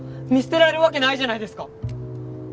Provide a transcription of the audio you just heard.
見捨てられるわけないじゃないですか。